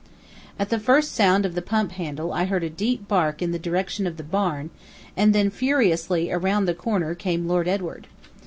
At the first sound of the pump handle I heard a deep bark in the direction of the barn, and then furiously around the corner came Lord Edward.